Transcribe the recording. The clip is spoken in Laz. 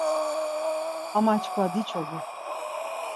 Ama çkva diçodu.